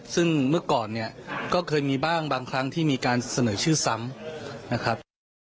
ซึ่งเมื่อก่อนเนี่ยก็เคยมีบ้างบางครั้งที่มีการเสนอชื่อซ้ำนะครับ